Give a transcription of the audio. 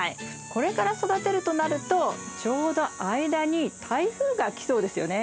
これから育てるとなるとちょうど間に台風が来そうですよね。